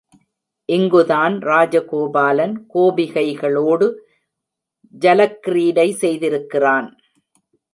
இங்குதான் ராஜகோபாலன் கோபிகைகளோடு ஜலக்கிரீடை செய்திருக்கிறான்.